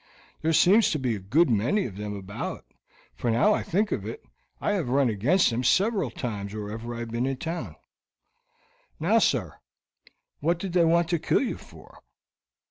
There seems to be a good many of them about, for now I think of it, I have run against them several times wherever I have been in town." "Now, sir, what did they want to kill you for?"